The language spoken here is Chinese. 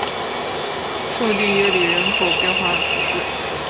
圣蒂耶里人口变化图示